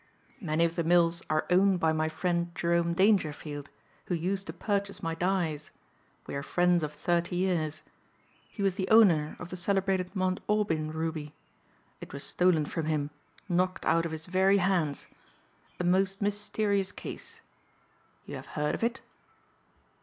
"Many of the mills are owned by my friend Jerome Dangerfield who used to purchase my dyes. We are friends of thirty years. He was the owner of the celebrated Mount Aubyn ruby. It was stolen from him, knocked out of his very hands. A most mysterious case. You have heard of it?"